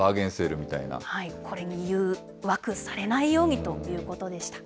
これに誘惑されないようにということでした。